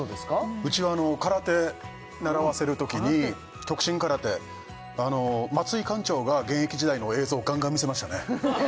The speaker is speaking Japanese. うちは空手習わせるときに極真空手松井館長が現役時代の映像をガンガン見せましたね